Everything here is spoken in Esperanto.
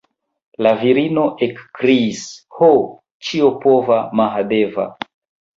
La virino ekkriis: Ho, ĉiopova Mahadeva!